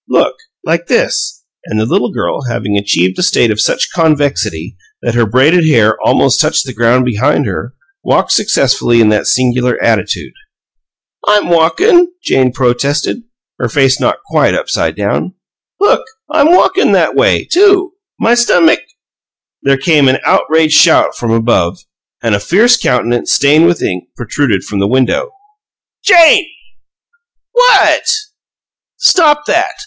Look! Like this." And the little girl, having achieved a state of such convexity that her braided hair almost touched the ground behind her, walked successfully in that singular attitude. "I'm walkin'," Jane protested, her face not quite upside down. "Look! I'M walkin' that way, too. My stummick " There came an outraged shout from above, and a fierce countenance, stained with ink, protruded from the window. "Jane!" "What?" "Stop that!